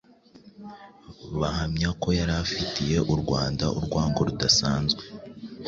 bahamya ko yari afitiye u Rwanda urwango rudasanzwe.